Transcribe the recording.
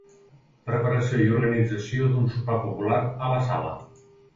Preparació i organització d'un sopar popular a la sala.